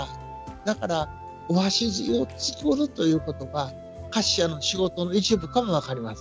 だからお箸を作るということは菓子屋の仕事の一部かも分かりません。